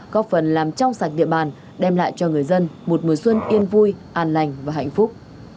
có phần làm trong sạch địa bàn đem lại cho người dân một mùa xuân yên vui an lành và hạnh phúc